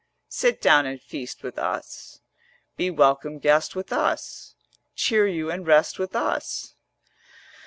Sit down and feast with us, 380 Be welcome guest with us, Cheer you and rest with us.'